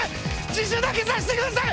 自首だけさせてください。